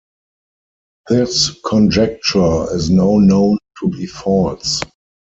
This conjecture is now known to be false.